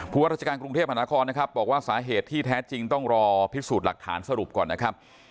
ว่าราชการกรุงเทพมหานครนะครับบอกว่าสาเหตุที่แท้จริงต้องรอพิสูจน์หลักฐานสรุปก่อนนะครับ